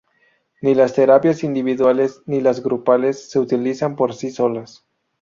Ni las terapias individuales ni las grupales se utilizan por sí solas.